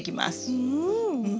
うん！